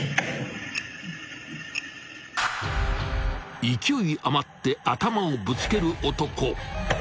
［勢いあまって頭をぶつける男］